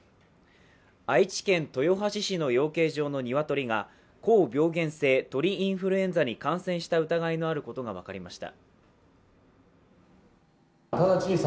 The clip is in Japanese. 愛知県豊橋市の養鶏場の鶏が高病原性鳥インフルエンザに感染した疑いのあることが分かりました。